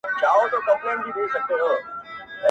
ښكلو ته كاته اكثر.